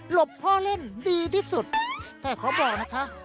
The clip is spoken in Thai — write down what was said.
บพ่อเล่นดีที่สุดแต่ขอบอกนะคะ